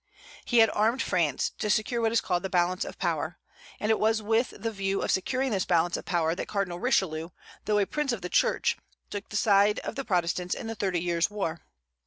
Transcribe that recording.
He had armed France to secure what is called the "balance of power;" and it was with the view of securing this balance of power that Cardinal Richelieu, though a prince of the Church, took the side of the Protestants in the Thirty Years' War.